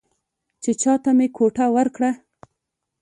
چې چا ته مې ګوته ورکړه،